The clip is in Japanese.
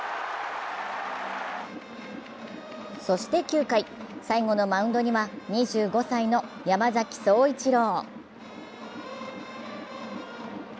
そして９回、最後のマウンドには２５歳の山崎颯一郎。